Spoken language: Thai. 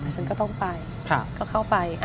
ฉันก็ต้องไปก็เข้าไป